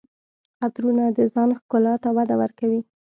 عطرونه د ځان ښکلا ته وده ورکوي.